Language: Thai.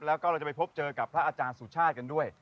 แล้วก็เราจะไปพบเจอกับพระอาจารย์สุชาติกันด้วย